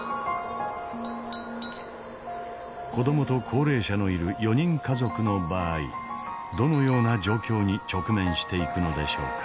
子どもと高齢者のいる４人家族の場合どのような状況に直面していくのでしょうか。